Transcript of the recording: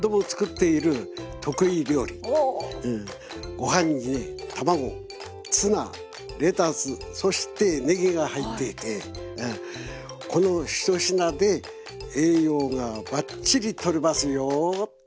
ご飯に卵ツナレタスそしてねぎが入っていてこの一品で栄養がバッチリとれますよ！